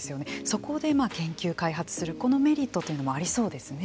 そこで研究開発するこのメリットというのもありそうですね。